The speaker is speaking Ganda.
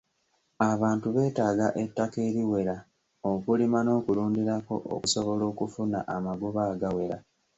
Abantu beetaaga ettaka eriwera okulima n'okulundirako okusobola okufuna amagoba agawera.